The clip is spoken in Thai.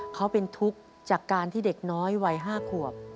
เขาเป็นทุกข์จากการที่เด็กน้อยวัย๕ขวบ